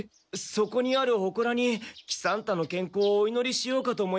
そこにあるほこらに喜三太の健康をお祈りしようかと思いまして。